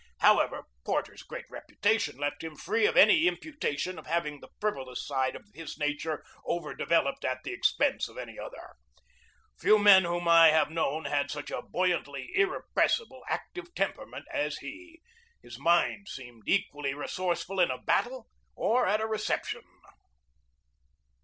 However, Porter's great reputation left him free of any impu tation of having the frivolous side of his nature over developed at the expense of any other. Few men whom I have known had such a buoyantly irrepres sible, active temperament as he. His mind seemed equally resourceful in a battle or at a reception.